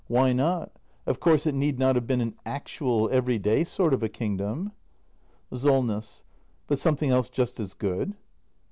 ] Why not ? Of course it need not have been an actual, every day sort of a kingdom. Solness. But something else just as good?